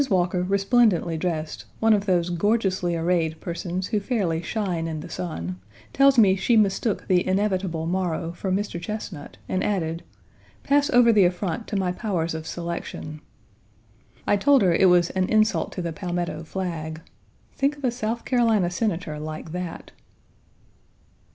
Walker, resplendently dressed, one of those gorgeously arrayed persons who fairly shine in the sun, tells me she mistook the inevitable Morrow for Mr. Chesnut, and added, "Pass over the affront to my powers of selection." I told her it was "an insult to the Palmetto flag." Think of a South Carolina Senator like that!